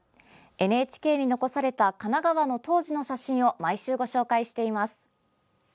ＮＨＫに残された神奈川の当時の写真を毎週ご紹介しています。